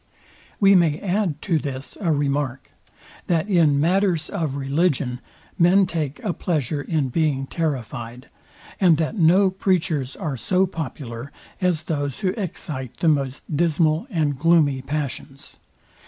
We may add to this a remark; that in matters of religion men take a pleasure in being terrifyed, and that no preachers are so popular, as those who excite the most dismal and gloomy passions.